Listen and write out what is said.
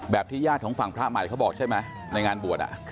ที่ญาติของฝั่งพระใหม่เขาบอกใช่ไหมในงานบวช